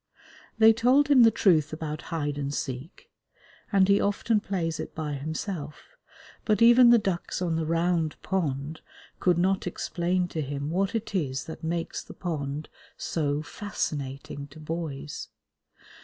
They told him the truth about hide and seek, and he often plays it by himself, but even the ducks on the Round Pond could not explain to him what it is that makes the pond so fascinating to boys.